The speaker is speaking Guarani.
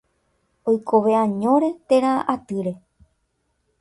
Oikove añóre térã atýre.